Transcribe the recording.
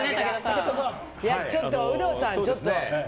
ちょっと有働さん、ちょっと。